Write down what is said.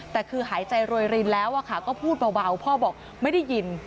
แต่คือหายใจรวยรินแล้วก็พูดเบาพ่อบอกไม่ได้ยิน